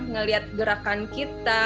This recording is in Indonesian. ngeliat gerakan kita